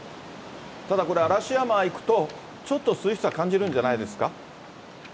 ただこれ、嵐山行くと、ちょっと涼しさは感じるんじゃないですか。